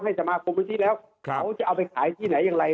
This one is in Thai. ให้สมาคมหนึ่งที่แล้วครับเขาจะเอาไปขายที่ไหนอย่างไร